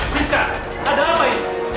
bisa ada apa ini